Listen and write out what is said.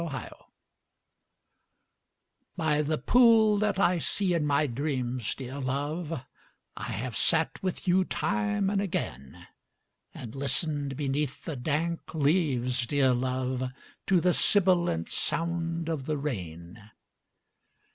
THE POOL By the pool that I see in my dreams, dear love, I have sat with you time and again; And listened beneath the dank leaves, dear love, To the sibilant sound of the rain.